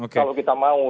kalau kita mau